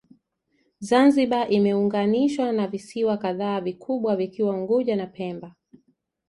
Zanzibar imeunganishwa na visiwa kadhaa vikubwa vikiwa Unguja na Pemba